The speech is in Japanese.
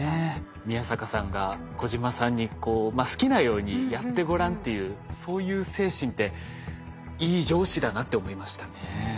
宮坂さんが小島さんに「好きなようにやってごらん」っていうそういう精神っていい上司だなって思いましたね。